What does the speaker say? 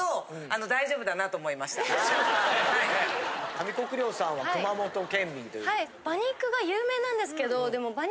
上國料さんは熊本県民ということで。